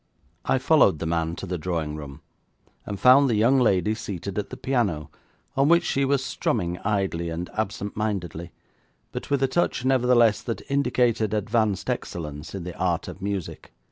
I followed the man to the drawing room, and found the young lady seated at the piano, on which she was strumming idly and absentmindedly, but with a touch, nevertheless, that indicated advanced excellence in the art of music.